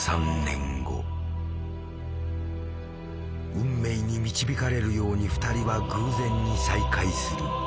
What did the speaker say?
運命に導かれるように２人は偶然に再会する。